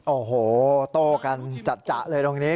โอ้โหโต้กันจัดเลยตรงนี้